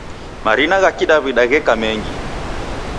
Marina ghakidawida gheka mengi.